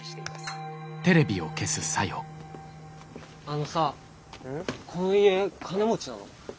あのさこの家金持ちなの？